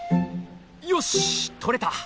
よし取れた！